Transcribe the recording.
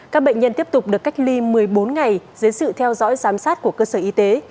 các bệnh nhân tiếp tục được cách ly một mươi bốn ngày dưới sự theo dõi giám sát của cơ sở y tế